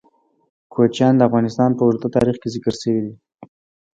کوچیان د افغانستان په اوږده تاریخ کې ذکر شوی دی.